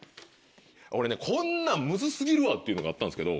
俺ねこんなんムズ過ぎるわっていうのがあったんですけど。